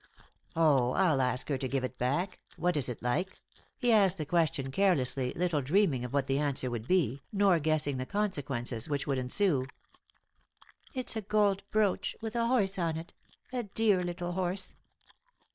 "Oh, I'll ask her to give it back. What is it like?" He asked the question carelessly, little dreaming of what the answer would be, nor guessing the consequences which would ensue. "It's a gold brooch, with a horse on it, a dear little horse."